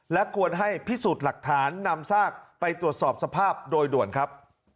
และควรให้พิสูจน์หลักฐานนำซากไปตรวจสอบสภาพโดยด่วนครับ